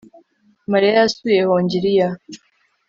Mariya yasuye Hongiriya